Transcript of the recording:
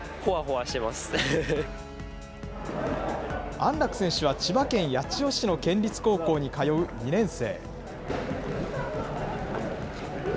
安楽選手は千葉県八千代市の県立高校に通う２年生。